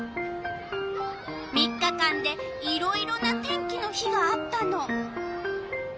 ３日間でいろいろな天気の日があったの。